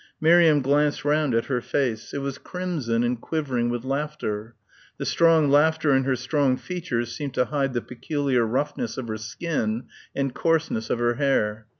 Miriam glanced round at her face. It was crimson and quivering with laughter. The strong laughter and her strong features seemed to hide the peculiar roughness of her skin and coarseness of her hair.